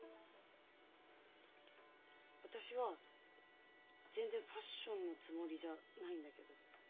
私は全然ファッションのつもりじゃないんだけど。